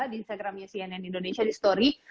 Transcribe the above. di instagramnya cnn indonesia di story